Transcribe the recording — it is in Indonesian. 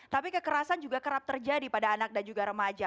tapi kekerasan juga kerap terjadi pada anak dan juga remaja